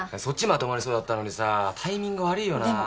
そっちまとまりそうだったのにさタイミング悪いよな。